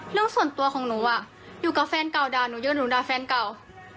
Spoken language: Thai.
เรื่องส่วนตัวของหนูอยู่กับแฟนเก่าด่าหนูเยอะหนูด่าแฟนเก่า